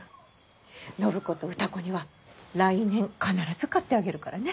暢子と歌子には来年必ず買ってあげるからね。